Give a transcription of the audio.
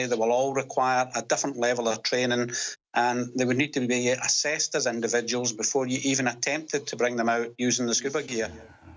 หนีอ้ีกนิดหนึ่งโดยต้องที่สำนะวงการ